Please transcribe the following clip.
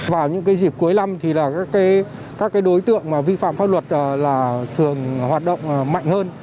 vào những dịp cuối năm thì các đối tượng vi phạm pháp luật là thường hoạt động mạnh hơn